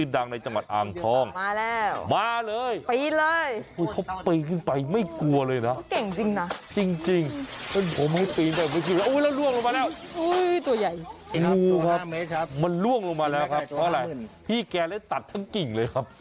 งูครับมันล่วงลงมาแล้วครับเพราะอะไรพี่แกเลยตัดทั้งกิ่งเลยครับ